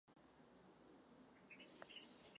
Spolupracujeme s vámi na posílení agentury Frontex.